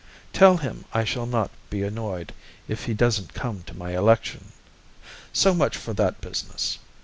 Tell him I shall not be annoyed if he doesn't come to my election. So much for that business.